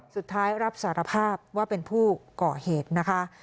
สุดท้ายรับสารภาพว่าเป็นผู้ก่อเหตุนะคะ